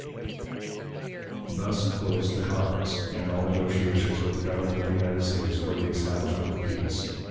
Thus closed the conference, and all negotiations with the Government of the United States for the establishment of peace.